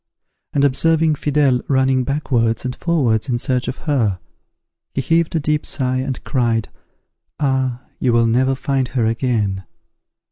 and observing Fidele running backwards and forwards in search of her, he heaved a deep sigh, and cried, "Ah! you will never find her again."